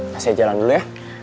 saya jalan dulu ya